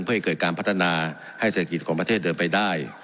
เพื่อให้เกิดการพัฒนาให้เศรษฐกิจของประเทศเดินไปได้